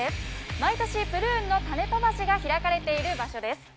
毎年、プルーンの種飛ばしが開かれている場所です。